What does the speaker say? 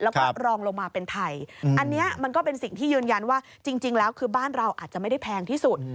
แล้วก็รองลงมาเป็นไทยอันนี้มันก็เป็นสิ่งที่ยืนยันว่าจริงแล้วคือบ้านเราอาจจะไม่ได้แพงที่สุด